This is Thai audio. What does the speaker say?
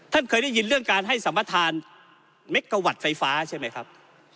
ท่านเคยได้ยินเรื่องการให้สัมประธานเม็กกาวัตต์ไฟฟ้าใช่ไหมครับ